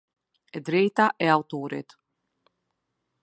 E drejta e autorit.